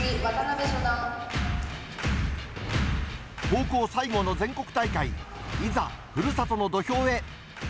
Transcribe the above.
高校最後の全国大会、いざ、ふるさとの土俵へ。